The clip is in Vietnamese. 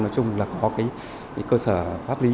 nói chung là có cơ sở pháp lý